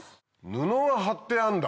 布が貼ってあんだ。